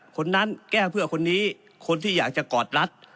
คนนั้นแก้เพื่อคนนี้คนที่อยากจะกอดรัฐ